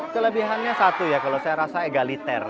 kelebihannya satu ya kalau saya rasa egaliter